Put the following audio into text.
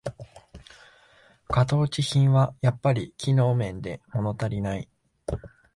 型落ち品はやっぱり機能面でものたりない